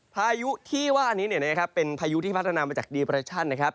พายุที่ว่านี้เนี่ยนะครับเป็นพายุที่พัฒนามาจากดีประชันนะครับ